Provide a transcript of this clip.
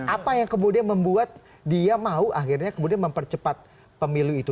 apa yang kemudian membuat dia mau akhirnya kemudian mempercepat pemilu itu